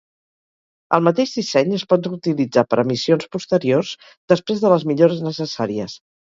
El mateix disseny es pot reutilitzar per a missions posteriors, després de les millores necessàries.